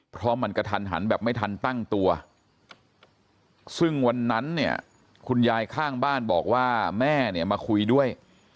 เพราะมันกระทันหันแบบไม่ทันตั้งตัวซึ่งวันนั้นเนี่ยคุณยายข้างบ้านบอกว่าแม่เนี่ยมาคุยด้วย